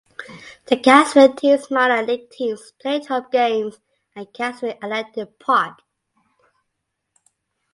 The Cassville teams minor league teams played home games at Cassville Athletic Park.